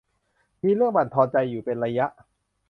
มีเรื่องบั่นทอนใจอยู่เป็นระยะ